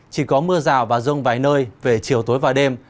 chỉ có mưa rào và rông vài nơi về chiều tối và đêm